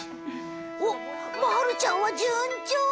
おっまるちゃんはじゅんちょう！